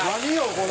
これ」